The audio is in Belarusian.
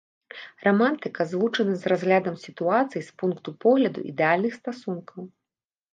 Рамантыка злучана з разглядам сітуацый з пункту погляду ідэальных стасункаў.